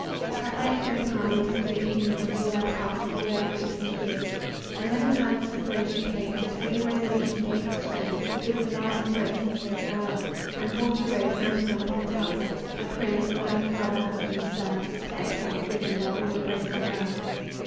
At length grown calm, they tenderly communed Of all their past, of all their hopes and fears; And when the time of separation came, His holy resolution gave her strength To give the last embrace and say farewell. And forth he rode, mounted on Kantaka, A prince, a loving father, husband, son, To exile driven by all embracing love.